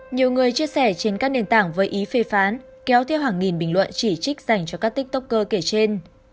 nhiều người chia sẻ trên các nền tảng với ý phê phán kéo theo hàng nghìn bình luận chỉ trích dành cho các tiktoker kể trên